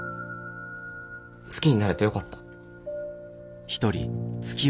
好きになれてよかった。